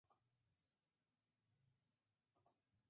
Así, Junior conseguiría su sexto subcampeonato.